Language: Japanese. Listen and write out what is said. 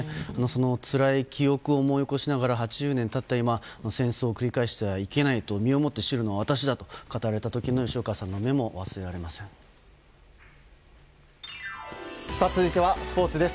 つらい記憶を思い起こしながら８０年経った今戦争を繰り返してはいけないと身をもって知るのは私だと語られた時の吉岡さんの目も続いてはスポーツです。